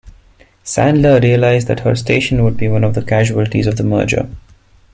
Sandler realized that her station would be one of the casualties of the merger.